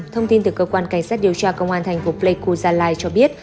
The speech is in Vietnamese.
thông tin từ cơ quan cảnh sát điều tra công an thành phố pleiku gia lai cho biết